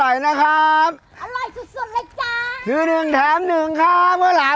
อร่อยสุดส่วนเลยจ้าคือหนึ่งแถมหนึ่งครับข้าวหลาม